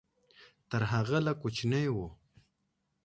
تر هغه لږ کوچنی و.